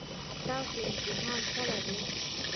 ستاسو امتحان کله دی؟